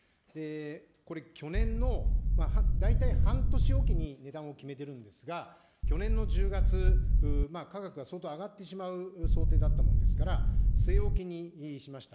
これ、去年の大体半年置きに値段を決めてるんですが、去年の１０月、価格が相当上がってしまう想定だったものですから、据え置きにしました。